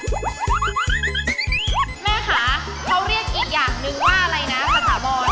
แม่ค่ะเขาเรียกอีกอย่างนึงว่าอะไรนะภาษาบอล